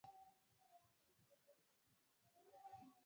mifumo ya utekelezaji ipo na inategemezwa vizuri